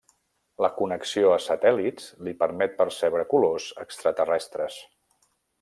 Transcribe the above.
La connexió a satèl·lits li permet percebre colors extraterrestres.